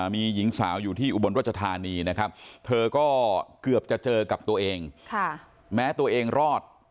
มีหญิงสาวอยู่ที่อุบลรัชธานีนะครับเธอก็เกือบจะเจอกับตัวเองแม้ตัวเองรอด